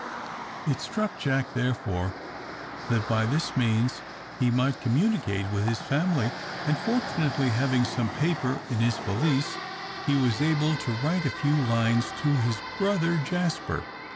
It struck Jack, therefore, that by this means he might communicate with his family, and fortunately having some paper in his valise, he was able to write a few lines to his brother Jasper.